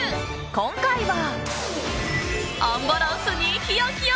今回は、アンバランスにヒヤヒヤ。